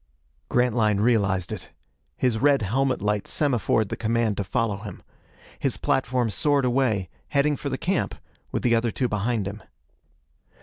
Grantline realized it. His red helmet light semaphored the command to follow him. His platform soared away, heading for the camp, with the other two behind him.